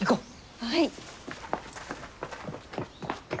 はい！